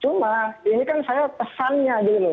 cuma ini kan saya pesannya dulu